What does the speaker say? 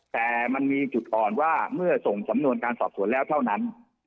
แต่มันมีจุดอ่อนว่าเมื่อส่งสำนวนการสอบสวนแล้วเท่านั้น